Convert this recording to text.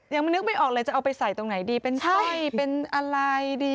ยังนึกไม่ออกเลยจะเอาไปใส่ตรงไหนดีเป็นไส้เป็นอะไรดี